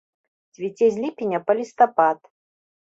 Цвіце з ліпеня па лістапад.